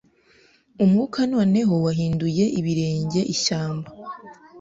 Umwuka noneho wahinduye ibirenge ishyamba